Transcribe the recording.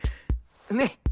ねっ！